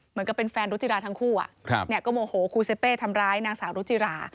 เหมือนกับเป็นแฟนรุจิราทั้งคู่ก็โมโหครูเซเป้ทำร้ายนางสาวรุจิรา